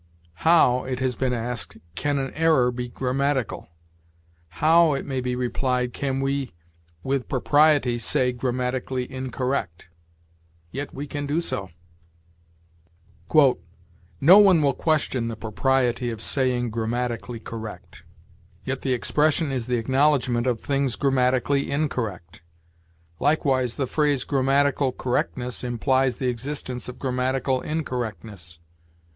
'How,' it has been asked, 'can an error be grammatical?' How, it may be replied, can we with propriety say, grammatically incorrect? Yet we can do so. "No one will question the propriety of saying grammatically correct. Yet the expression is the acknowledgment of things grammatically INcorrect. Likewise the phrase grammatical correctness implies the existence of grammatical INcorrectness.